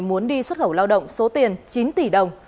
muốn đi xuất khẩu lao động số tiền chín tỷ đồng